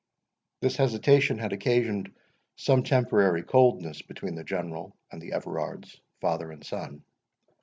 This hesitation had occasioned some temporary coldness between the General and the Everards, father and son.